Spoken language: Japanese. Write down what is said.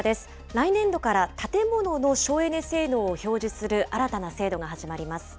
来年度から建物の省エネ性能を表示する新たな制度が始まります。